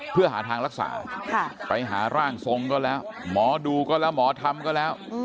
เพื่อหาทางรักษาไปหาร่างทรงก็แล้วหมอดูก็แล้วหมอธรรมก็แล้ว